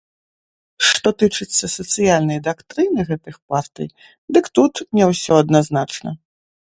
Што тычыцца сацыяльнай дактрыны гэтых партый, дык тут не ўсё адназначна.